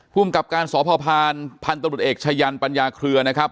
ภูมิกับการสพพานพันธุ์ตำรวจเอกชายันปัญญาเครือนะครับ